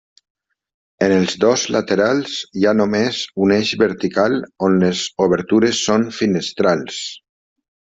En els dos laterals hi ha només un eix vertical on les obertures són finestrals.